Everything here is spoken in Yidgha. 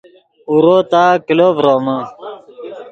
اورو تا کلو ڤرومے